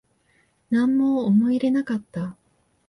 なんも思い入れなかった